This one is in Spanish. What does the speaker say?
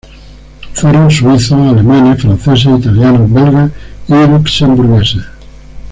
Fueron suizos, alemanes, franceses, italianos, belgas y luxemburgueses.